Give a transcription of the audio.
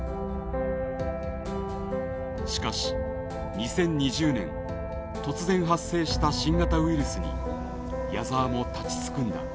しかし２０２０年突然発生した新型ウイルスに矢沢も立ちすくんだ。